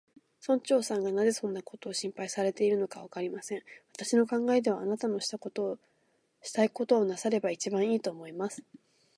村長さんがなぜそんなことを心配されるのか、わかりません。私の考えでは、あなたはしたいことをなさればいちばんいい、と思います。